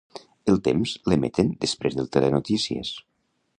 El Temps l'emeten després del Telenotícies.